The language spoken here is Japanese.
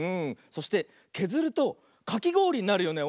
そしてけずるとかきごおりになるよね。